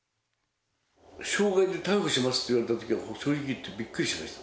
傷害で逮捕しますって言われたときは、正直言ってびっくりしました。